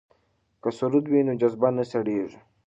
که سرود وي نو جذبه نه سړیږي.